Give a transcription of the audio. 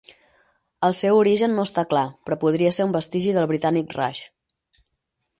El seu origen no està clar, però podria ser un vestigi del britànic Raj.